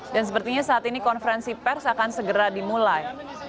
dan sepertinya saat ini konferensi pers akan segera dimulai